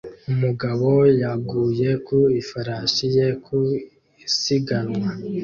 Umugabo yaguye ku ifarashi ye ku isiganwa